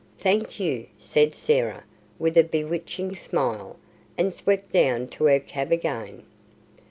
"Thank you," said Sarah, with a bewitching smile, and swept down to her cab again.